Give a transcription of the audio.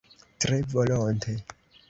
Tre volonte!